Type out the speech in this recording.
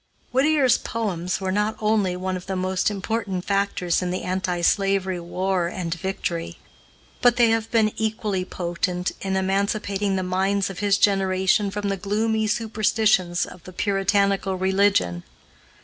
Whittier's poems were not only one of the most important factors in the anti slavery war and victory, but they have been equally potent in emancipating the minds of his generation from the gloomy superstitions of the puritanical religion.